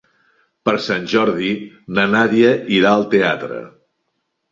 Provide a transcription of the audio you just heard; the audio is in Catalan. Per Sant Jordi na Nàdia irà al teatre.